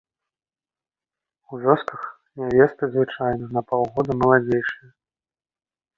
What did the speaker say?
У вёсках нявесты звычайна на паўгода маладзейшыя.